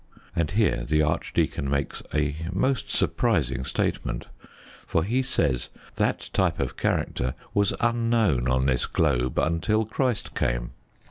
And here the archdeacon makes a most surprising statement, for he says that type of character was unknown on this globe until Christ came.